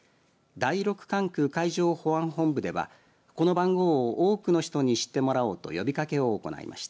第６管区海上保安本部ではこの番号を多くの人に知ってもらおうと呼びかけを行いました。